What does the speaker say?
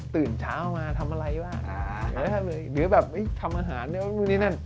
ตื่นเช้ามาทำอะไรบ้างหรือแบบทำอาหารนี่นี่นั่น